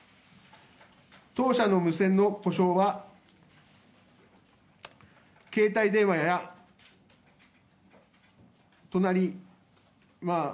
当社の無線の故障は携帯電話となり。